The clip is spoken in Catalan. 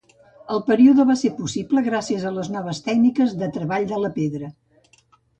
El període va ser possible gràcies a les noves tècniques de treball de la pedra.